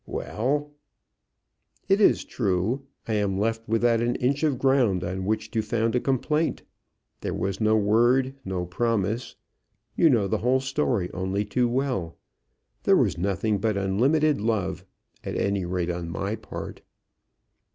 "Well?" "It is true. I am left without an inch of ground on which to found a complaint. There was no word; no promise. You know the whole story only too well. There was nothing but unlimited love, at any rate on my part."